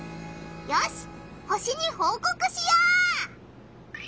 よし星にほうこくしよう！